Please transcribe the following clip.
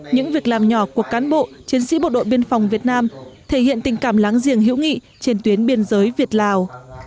những việc làm nhỏ của cán bộ chiến sĩ bộ đội biên phòng việt nam thể hiện tình cảm láng giềng hữu nghị trên tuyến biên giới việt lào